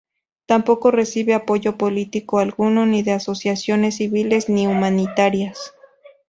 Tampoco recibe apoyo político alguno ni de asociaciones civiles ni humanitarias.